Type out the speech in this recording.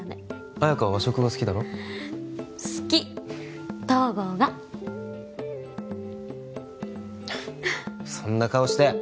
綾華は和食が好きだろ好き東郷がそんな顔して！